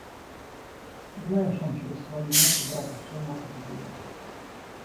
Ты знаешь, он через свою мать и брата всё может сделать.